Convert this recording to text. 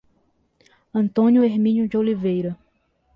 Antônio Herminio de Oliveira